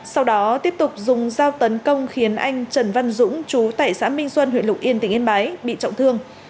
sau đó tiếp tục dùng dao tấn công khiến anh trần văn dũng chú tại xã minh xuân huyện lục yên tỉnh yên bái bị trọng thương